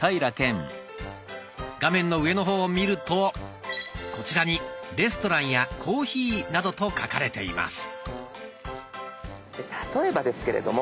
画面の上の方を見るとこちらに「レストラン」や「コーヒー」などと書かれています。